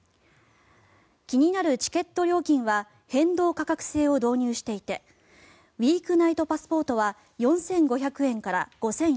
気になるチケット料金は変動価格制を導入していてウィークナイトパスポートは４５００円から５４００円